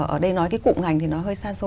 ở đây nói cái cụm ngành thì nó hơi san sô